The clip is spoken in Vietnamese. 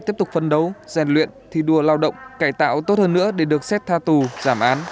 tiếp tục phấn đấu rèn luyện thi đua lao động cải tạo tốt hơn nữa để được xét tha tù giảm án